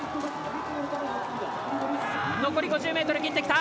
残り５０メートル切ってきた！